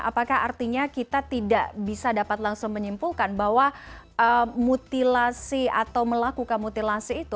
apakah artinya kita tidak bisa dapat langsung menyimpulkan bahwa mutilasi atau melakukan mutilasi itu